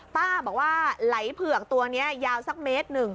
ป้าบอกว่าไหลเผือกตัวนี้ยาวสักเมตรหนึ่ง